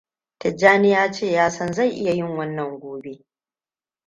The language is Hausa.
Tijjani ya ce ya san gobe zai iya yin wannan gobe.